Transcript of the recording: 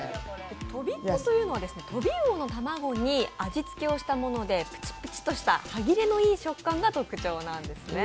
とびっこというのは飛び魚の卵に味付けをしたものでプチプチとした歯切れのいい食感が特徴なんですね。